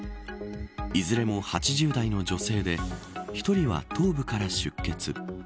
いずれも８０代の女性１人は頭部から出血。